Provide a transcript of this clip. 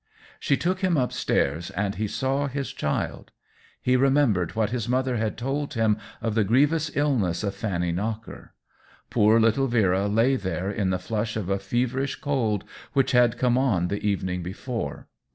She took him up stairs and he saw his child. He remembered what his mother had told him of the grievous illness of Fanny Knocker. Poor little Vera lay there in the flush of a feverish cold, which had come on the evening before.